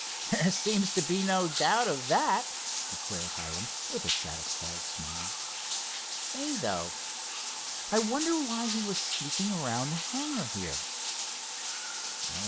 "There seems to be no doubt of that," declared Hiram, with a satisfied smile. "Say, though, I wonder why he was sneaking around the hangar here?"